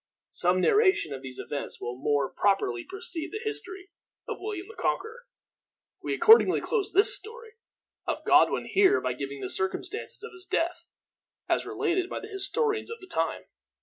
Some narration of these events will more properly precede the history of William the Conqueror. We accordingly close this story of Godwin here by giving the circumstances of his death, as related by the historians of the time.